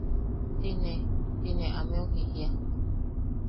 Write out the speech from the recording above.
Ti ne... ti ne ameu jijia.